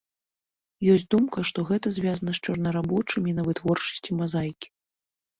Ёсць думка, што гэта звязана з чорнарабочымі на вытворчасці мазаікі.